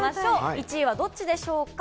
１位はどっちでしょうか？